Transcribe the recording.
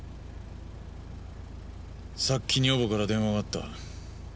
さっき女房から電話があった。